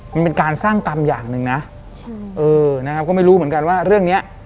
มันเป็นการสร้างกรรมอย่างหนึ่งนะใช่เออนะครับก็ไม่รู้เหมือนกันว่าเรื่องเนี้ย